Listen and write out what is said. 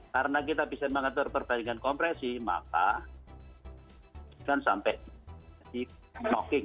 karena kita bisa mengatur perbandingan kompresi maka bisa sampai di knocking